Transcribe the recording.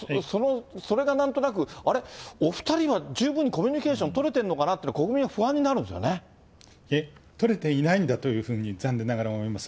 それがなんとなく、あれ、お２人は十分コミュニケーション取れてんのかなって、国民が不安取れていないんだというふうに、残念ながら思います。